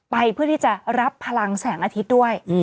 เพื่อที่จะรับพลังแสงอาทิตย์ด้วย